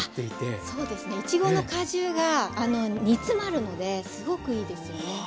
いちごの果汁が煮詰まるのですごくいいですよね。